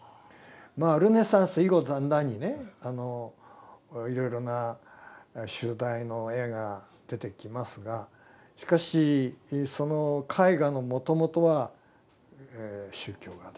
ルネサンス以後だんだんにねいろいろな主題の絵が出てきますがしかしその絵画のもともとは宗教画で。